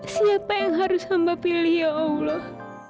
siapa yang harus hamba pilih ya allah